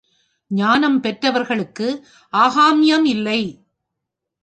ஞானம் பெற்றவர்களுக்கு ஆகாம்யம் இல்லை.